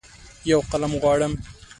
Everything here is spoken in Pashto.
یوقلم غواړم